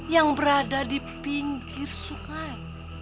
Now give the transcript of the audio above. yang berada di pinggir sungai